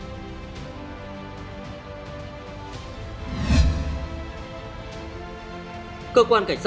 cơ quan cảnh sát điều tra công an quận bình tân